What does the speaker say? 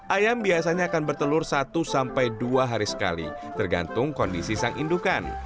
ayam biasanya akan bertelur satu sampai dua hari sekali tergantung kondisi sang indukan